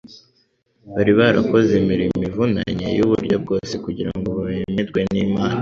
Bari barakoze imirimo ivunanye y'uburyo bwose kugira ngo bemerwe n'Imana;